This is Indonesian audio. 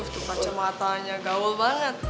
tuh kacamata nya gaul banget